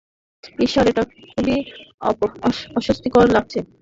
ঈশ্বর, এটা খুবি অসস্তিকর লাগছে।